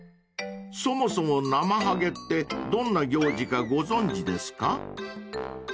［そもそもナマハゲってどんな行事かご存じですか？］